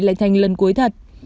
lại thành lần cuối thật